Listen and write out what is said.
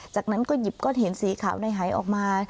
จากนั้นก็หยิบก้อนหินสีขาวในหายออกมา